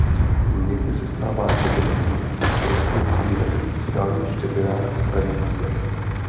Někdy se stává i vegetací rostoucí ve skalních štěrbinách a starých zdech.